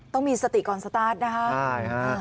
ต้องมีสติก่อนสตาร์ทนะฮะ